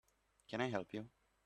Can I help you?